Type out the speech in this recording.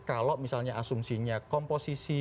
kalau misalnya asumsinya komposisi